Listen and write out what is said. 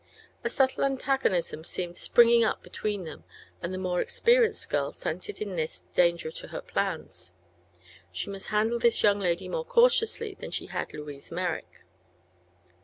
A subtile antagonism seemed springing up between them and the more experienced girl scented in this danger to her plans. She must handle this young lady more cautiously than she had Louise Merrick.